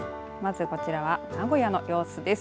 まずこちらは名古屋の様子です。